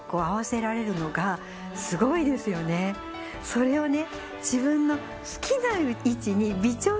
それをね。